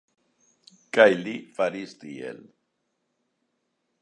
Kaj li faris tiel.